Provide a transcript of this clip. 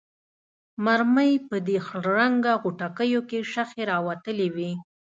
مرمۍ په دې خړ رنګه غوټکیو کې شخې راوتلې وې.